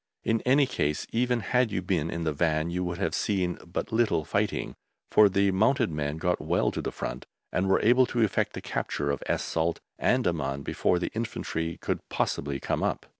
In any case, even had you been in the Van you would have seen but little fighting, for the mounted men got well to the front and were able to effect the capture of Es Salt and Amman before the Infantry could possibly come up.